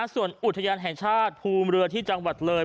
ส่วนอุทยานแห่งชาติภูเรือที่จังหวัดเลย